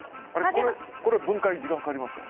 これは分解に時間かかりますか？